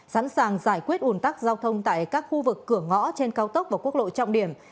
sẵn sàng giải quyết ủn tắc giao thông tại các khu vực cửa ngõ trên cao tốc và quốc lộ trọng điểm